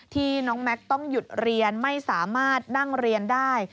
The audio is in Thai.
ที่น้องแม็กซ์ต้องหยุดเรียนไม่สามารถนั่งเรียนได้